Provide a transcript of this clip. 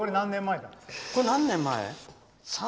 これ何年前？